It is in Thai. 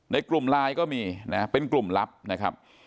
ในกลุ่มไลน์ก็มีนะเป็นกลุ่มลับนะครับ